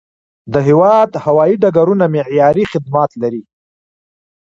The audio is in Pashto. د هیواد هوایي ډګرونه معیاري خدمات لري.